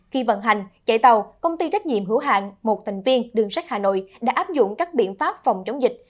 khi vận hành chạy tàu công ty trách nhiệm hữu hạng một thành viên đường sắt hà nội đã áp dụng các biện pháp phòng chống dịch